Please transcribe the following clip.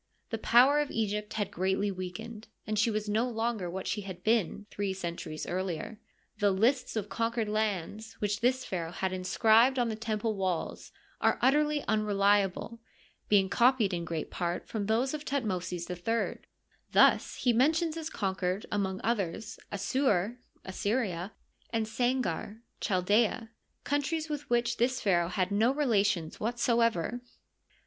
The power of Egypt had ereatly weakened, ana she was no longer what she had been three centuries earlier. The " lists " of " conquered lands " which this pharaoh had inscribed on the temple walls are utterly unreliable, being copied in great part from those of Tnutmosis III. Thus he mentions as con auered, among others, Assur (Assyria) and Sangar (Chal aea), countries with which this pnaraoh had no relations whatsoever.